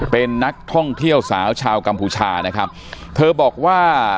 เป็นนักท่องเที่ยวสาวชาวกัมพูชานะครับเธอบอกว่า